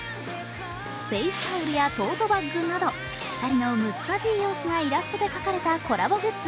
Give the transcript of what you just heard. フェイスタオルやトートバッグなど、２人のむつまじい様子がイラストで描かれたコラボグッズ